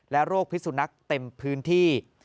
โรคพิสุนักเต็มพื้นที่